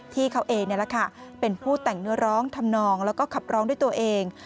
ที่เขาเองเป็นผู้แต่งเนื้อร้องทำนองแล้วก็ขับร้องด้วยตัวเอง